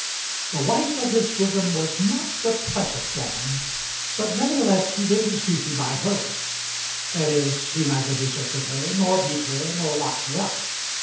The wife of his bosom was not a pleasant woman, but nevertheless he did his duty by her; that is, he neither deserted her, nor beat her, nor locked her up.